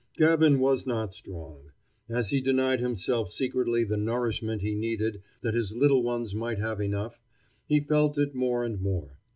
Gavin was not strong. As he denied himself secretly the nourishment he needed that his little ones might have enough, he felt it more and more.